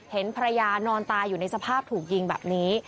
เห็นภรรยานอนตายอยู่ในสภาพถูกยิงแบบนี้